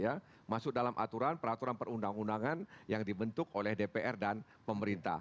ya masuk dalam aturan peraturan perundang undangan yang dibentuk oleh dpr dan pemerintah